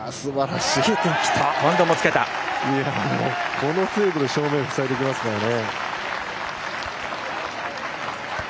この精度で正面をふさいできますからね。